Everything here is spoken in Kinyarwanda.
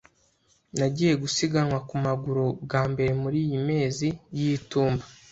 Nagiye gusiganwa ku maguru bwa mbere muriyi mezi y'itumba.